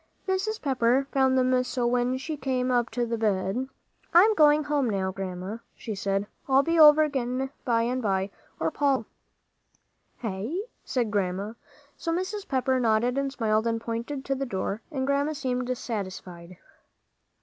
Mrs. Pepper found them so when she came up to the bed. "I'm going home now, Grandma," she said. "I'll be over again by and by, or Polly will." "Hey?" said Grandma. So Mrs. Pepper nodded and smiled and pointed to the door, and Grandma seemed satisfied.